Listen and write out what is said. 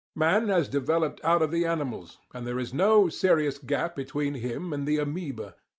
Man has developed out of the animals, and there is no serious gap between him and the amoeba.